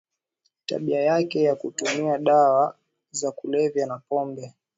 Tabia yake ya kutumia dawa za kulevya na pombe